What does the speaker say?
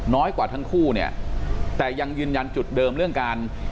กว่าทั้งคู่เนี่ยแต่ยังยืนยันจุดเดิมเรื่องการ